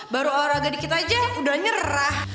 baru olahraga dikit aja udah nyerah